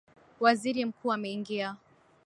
Waziri mkuu ameingia